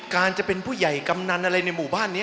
จะเป็นผู้ใหญ่กำนันอะไรในหมู่บ้านนี้